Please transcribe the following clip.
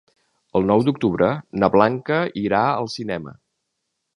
El nou d'octubre na Blanca irà al cinema.